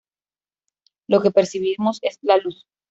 Lo que percibimos es la luz.